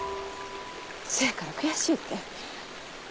せやから悔しゅうて。